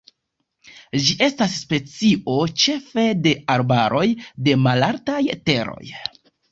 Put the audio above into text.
Ĝi estas specio ĉefe de arbaroj de malaltaj teroj.